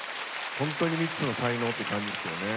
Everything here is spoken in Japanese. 本当に３つの才能って感じですよね。